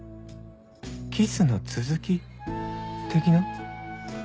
キスの続き的な？